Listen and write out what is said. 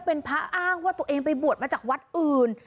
เป็นพระอ้างว่าตัวเองไปบวชมาจากวัดอื่น